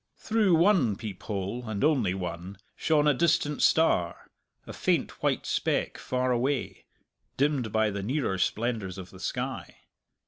Through one peep hole, and only one, shone a distant star, a faint white speck far away, dimmed by the nearer splendours of the sky.